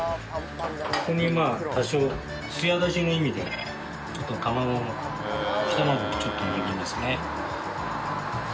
ここにまあ多少つや出しの意味でちょっと卵溶き卵をちょっと塗りますね。